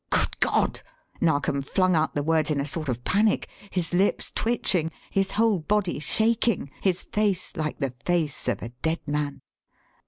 "Good God!" Narkom flung out the words in a sort of panic, his lips twitching, his whole body shaking, his face like the face of a dead man.